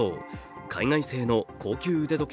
海外製の高級腕時計